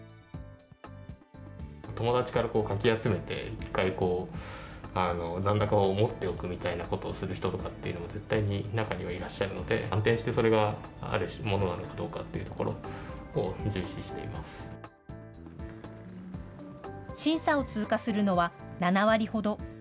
友達からかき集めて、一回、残高を持っておこうとする人も絶対に中にはいらっしゃるので、安定して、それがあるものなのかどうかっていうところを重視して審査を通過するのは７割ほど。